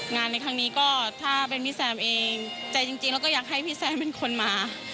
ในครั้งนี้ก็ถ้าเป็นพี่แซมเองใจจริงแล้วก็อยากให้พี่แซมเป็นคนมา